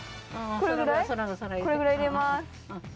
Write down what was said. これぐらい入れます。